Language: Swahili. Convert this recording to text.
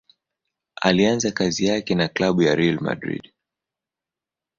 Alianza kazi yake na klabu ya Real Madrid.